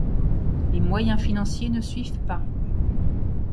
Les moyens financiers ne suivent pas.